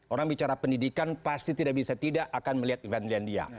orang bicara pendidikan pasti tidak bisa tidak akan melihat event lendia